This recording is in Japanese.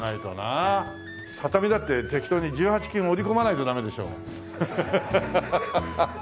畳だって適当に１８金織り込まないとダメでしょ。